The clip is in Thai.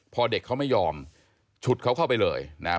พอเด็กเขาไม่ยอมฉุดเขาเข้าไปเลยนะครับ